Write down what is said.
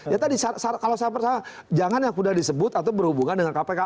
ya tadi kalau saya percaya jangan yang sudah disebut atau berhubungan dengan kpk